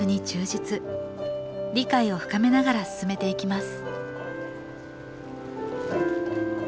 理解を深めながら進めていきます